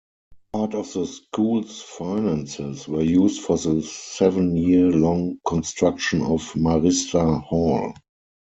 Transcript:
Part of the school's finances were used for the seven-year-long construction of Marista Hall.